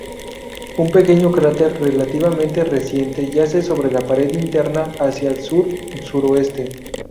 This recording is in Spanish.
Un pequeño cráter relativamente reciente yace sobre la pared interna hacia el sur-suroeste.